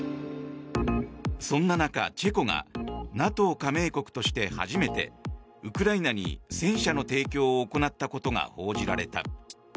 そんな中、チェコがＮＡＴＯ加盟国として初めてウクライナに戦車の提供を行ったことが報じられた。